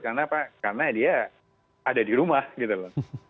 karena dia ada di rumah gitu loh